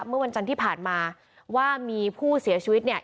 เมื่อวันจันทร์ที่ผ่านมาว่ามีผู้เสียชีวิตเนี่ย